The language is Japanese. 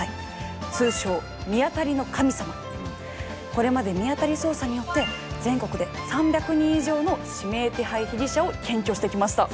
これまでミアタリ捜査によって全国で３００人以上の指名手配被疑者を検挙してきました。